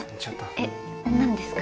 えっなんですか？